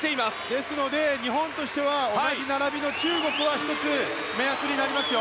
ですので日本としては同じ並びの中国は１つ、目安になりますよ。